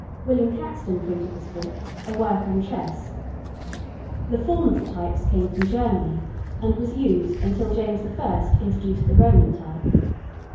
William Caxton printed this book, a work on chess. The form of the types came from Germany, and was used till James I. introduced the Roman type.